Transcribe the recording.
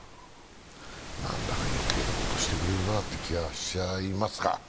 何だか余計なことしてくれるなという気がしますが。